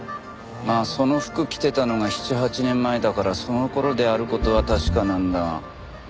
まあその服着てたのが７８年前だからその頃である事は確かなんだが。